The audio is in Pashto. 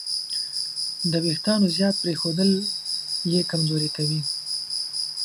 د وېښتیانو زیات پرېښودل یې کمزوري کوي.